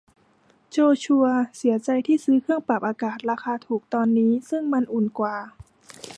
โจชัวเสียใจที่ซื้อเครื่องปรับอากาศราคาถูกตอนนี้ซึ่งมันอุ่นกว่า